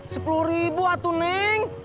sepuluh ribu atu neng